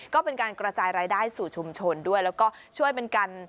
ก็เป็นการกระจายรายได้สู่ชุมชนด้วยแล้วก็ช่วยเป็นการ